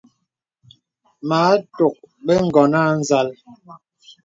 Mə à tɔk bə ǹgɔ̀n à nzàl.